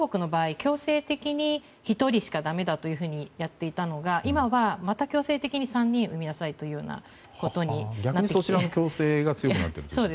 強制的に１人しかだめだというふうにやっていたのが今は、また強制的に３人産みなさいというようなことになっているので。